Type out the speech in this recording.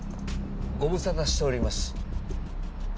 ご無沙汰しております。